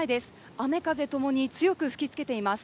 雨・風ともに強く吹きつけています。